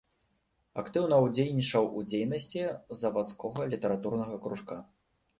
Актыўна ўдзельнічаў у дзейнасці завадскога літаратурнага кружка.